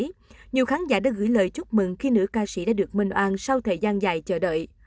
trong bài đăng mới nhiều khán giả đã gửi lời chúc mừng khi nữ ca sĩ đã được minh oan sau thời gian dài chờ đợi